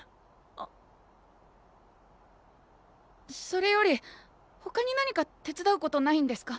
それよりほかに何か手伝うことないんですか？